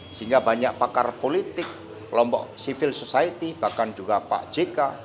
sehingga banyak pakar politik kelompok civil society bahkan juga pak jk